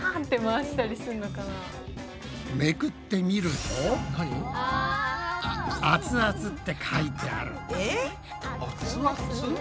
めくってみると「アツアツ」って書いてある。